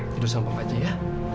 tidur sampah aja ya